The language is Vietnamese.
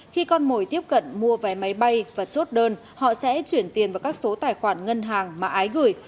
khi con mồi tiếp cận mua vé máy bay và chốt đơn họ sẽ chuyển tiền vào các số tài khoản ngân hàng mà ái gửi